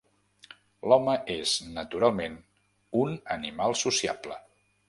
L'home és naturalment un animal sociable.